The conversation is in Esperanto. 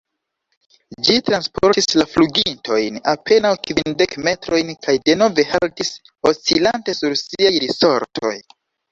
Ĝi transportis la flugintojn apenaŭ kvindek metrojn kaj denove haltis, oscilante sur siaj risortoj.